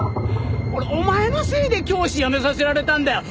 俺お前のせいで教師辞めさせられたんだよ。